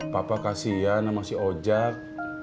papa kasian sama si ojak